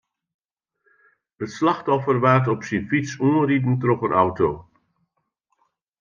It slachtoffer waard op syn fyts oanriden troch in auto.